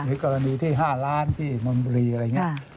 กรณีที่๕ล้านที่นนบุรีอะไรอย่างนี้